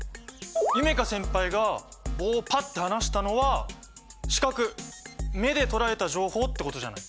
夢叶先輩が棒をパッて離したのは視覚目で捉えた情報ってことじゃない？